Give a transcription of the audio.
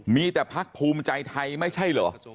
มีแต่พักภูมิใจไทยไม่ใช่เหรอ